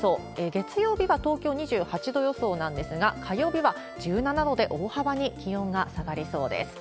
月曜日は東京２８度予想なんですが、火曜日は１７度で、大幅に気温が下がりそうです。